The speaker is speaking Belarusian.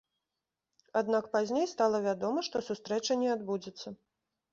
Аднак пазней стала вядома, што сустрэча не адбудзецца.